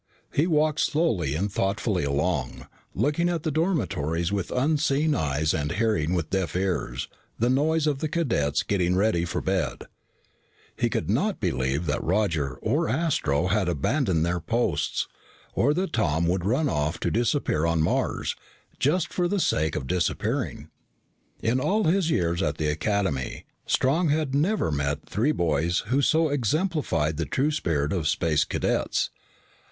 He walked slowly and thoughtfully along, looking at the dormitories with unseeing eyes and hearing with deaf ears the noise of the cadets getting ready for bed. He could not believe that Roger or Astro had abandoned their posts, or that Tom would run off to disappear on Mars, just for the sake of disappearing. In all his years at the Academy, Strong had never met three boys who so exemplified the true spirit of Space Cadets.